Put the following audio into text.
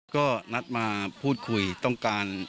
ก็นัดมาพูดคุยต้องการ